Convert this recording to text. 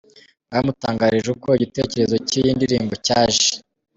com bamutangarije uko igitekerezo cy’iyi ndirimbo cyaje.